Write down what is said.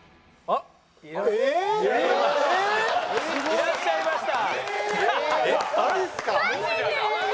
いらっしゃいました。